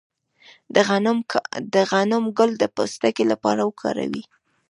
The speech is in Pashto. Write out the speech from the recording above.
د غنم ګل د پوستکي لپاره وکاروئ